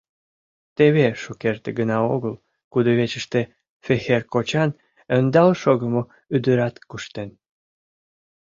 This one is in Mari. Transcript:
Теве шукерте гына огыл кудывечыште Фехер кочан ӧндал шогымо ӱдырат куштен.